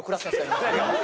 今。